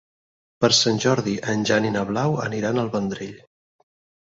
Per Sant Jordi en Jan i na Blau aniran al Vendrell.